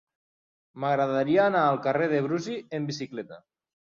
M'agradaria anar al carrer de Brusi amb bicicleta.